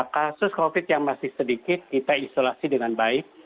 kasus covid yang masih sedikit kita isolasi dengan baik